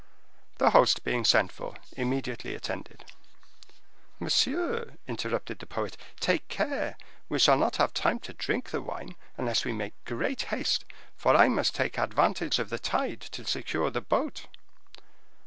The host, being sent for, immediately attended. "Monsieur," interrupted the poet, "take care, we shall not have time to drink the wine, unless we make great haste, for I must take advantage of the tide to secure the boat."